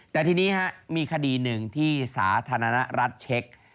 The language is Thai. แต่ทีนี้มีคดีหนึ่งที่สาธารณรัฐเช็ค